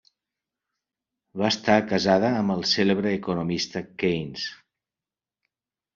Va estar casada amb el cèlebre economista Keynes.